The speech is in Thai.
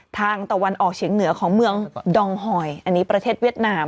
ตะวันออกเฉียงเหนือของเมืองดองหอยอันนี้ประเทศเวียดนาม